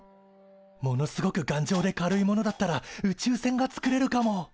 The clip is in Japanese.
ものすごく頑丈で軽いものだったら宇宙船がつくれるかも。